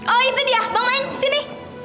oh itu dia bank main sini